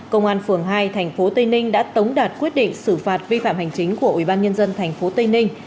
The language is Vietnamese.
công an phường hai tp tây ninh đã tống đạt quyết định xử phạt vi phạm hành chính của ubnd tp tây ninh